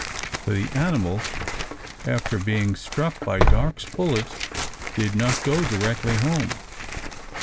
For the animal, after being struck by Darke's bullet, did not go directly home.